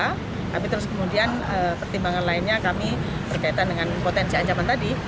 tapi terus kemudian pertimbangan lainnya kami berkaitan dengan potensi ancaman tadi